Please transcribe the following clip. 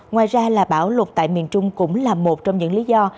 ngoài ra là bão lụt tại miền trung cũng là một trong những lý do